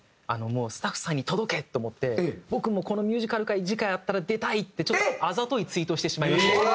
スタッフさんに届け！と思って「僕もこのミュージカル回次回あったら出たい」ってちょっとあざといツイートをしてしまいまして。